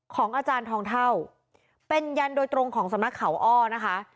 ของอาจารย์ทองเท่าเป็นยันโดยตรงของสำนักเขาอ้อนะคะ